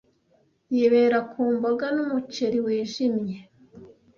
Yibera ku mboga n'umuceri wijimye.